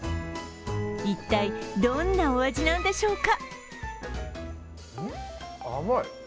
一体、どんなお味なんでしょうか？